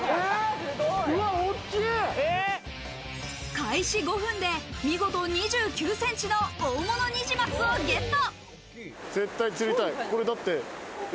開始５分で見事２９ｃｍの大物ニジマスをゲット。